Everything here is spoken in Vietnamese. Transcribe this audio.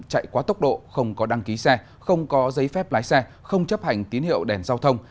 chạy quá tốc độ không có đăng ký xe không có giấy phép lái xe không chấp hành tín hiệu đèn giao thông